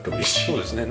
そうですね。